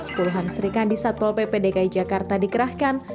puluhan sri kandi satpol pp dg jakarta dikerahkan